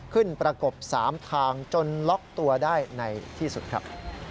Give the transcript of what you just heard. ประกบ๓ทางจนล็อกตัวได้ในที่สุดครับ